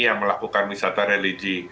yang melakukan wisata religi